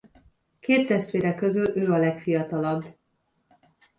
Két testvére közül ő a legfiatalabb.